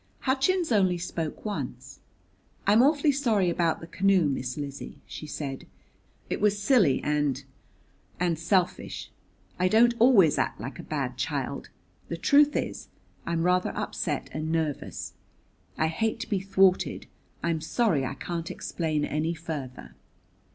Hutchins only spoke once. "I'm awfully sorry about the canoe, Miss Lizzie," she said; "it was silly and and selfish. I don't always act like a bad child. The truth is, I'm rather upset and nervous. I hate to be thwarted I'm sorry I can't explain any further."